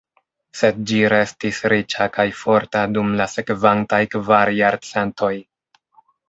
Sed ĝi restis riĉa kaj forta dum la sekvantaj kvar jarcentoj.